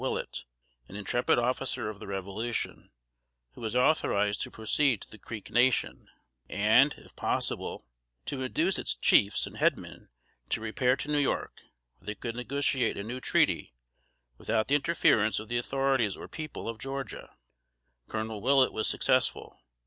Willett, an intrepid officer of the Revolution, who was authorized to proceed to the Creek nation, and, if possible, to induce its chiefs and headmen to repair to New York, where they could negotiate a new treaty, without the interference of the authorities or people of Georgia. Col. Willett was successful.